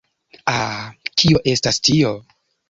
Ah, kio estas tio?